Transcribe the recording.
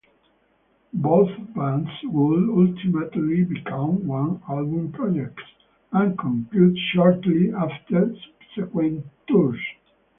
Both bands would ultimately become one-album projects and conclude shortly after subsequent tours.